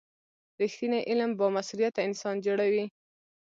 رښتینی علم بامسؤلیته انسان جوړوي.